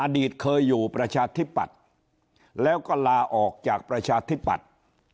อดีตเคยอยู่ประชาธิปัตย์แล้วก็ลาออกจากประชาธิปัตย์